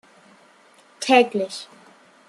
Täglich!